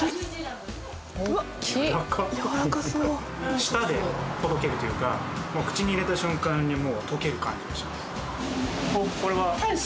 舌でとろけるというかもう口に入れた瞬間にもう溶ける感じがします。